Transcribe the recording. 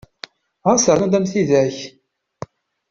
Ɣas rnu-d am tidak!